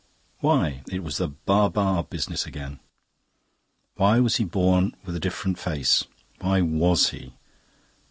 Why? It was the baa baa business again. Why was he born with a different face? Why WAS he?